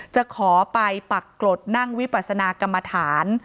จะขอไปปักกรดนั่งวิปัสนากรรมฐาน